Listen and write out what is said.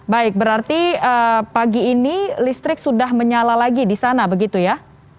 baik berarti pagi ini listrik sudah menyala lagi di sana begitu ya